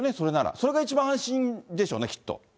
それが一番安心でしょうね、きっと。